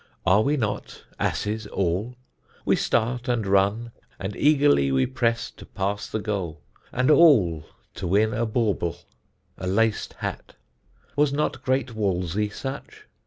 Are we not asses all? We start and run, And eagerly we press to pass the goal, And all to win a bauble, a lac'd hat. Was not great Wolsey such?